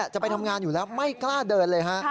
จะไปทำงานอยู่แล้วไม่กล้าเดินเลยฮะ